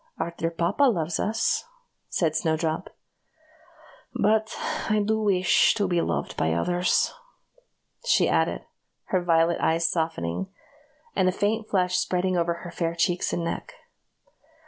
"Our dear papa loves us," said Snowdrop, "but I do wish to be loved by others," she added her violet eyes softening, and a faint flush spreading over her fair cheeks and neck.